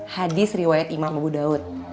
hadis riwayat imam abu daud